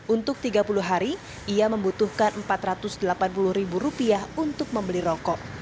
untuk tiga puluh hari ia membutuhkan rp empat ratus delapan puluh untuk membeli rokok